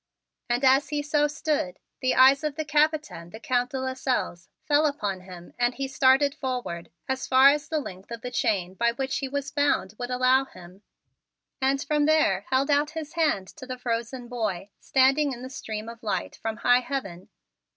And as he so stood, the eyes of the Capitaine, the Count de Lasselles, fell upon him and he started forward as far as the length of the chain by which he was bound would allow him and from there held out his hand to the frozen boy standing in the stream of light from high heaven.